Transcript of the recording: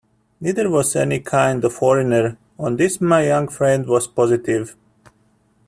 Neither was any kind of foreigner; on this my young friend was positive.